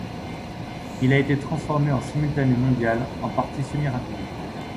Il a été transformé en Simultané mondial en parties semi-rapides.